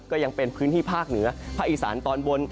ยังเป็นพื้นที่ภาคเหนือภาคอีสานตอนบน